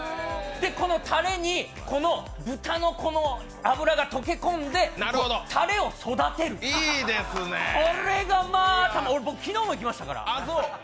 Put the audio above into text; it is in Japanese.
このたれに豚の脂が溶け込んでたれを育てる、これがまあ、昨日も行きましたから。